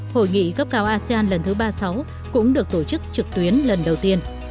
hội nghị cấp cao asean lần thứ ba mươi sáu cũng được tổ chức trực tuyến lần đầu tiên